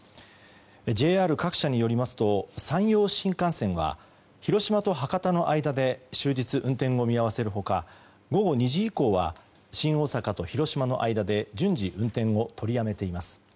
ＪＲ各社によりますと山陽新幹線は広島と博多の間で終日運転を見合わせる他午後２時以降は新大阪と広島の間で順次、運転を取りやめています。